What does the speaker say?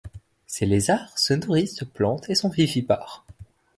Ces lézards se nourrissent de plantes et sont vivipares.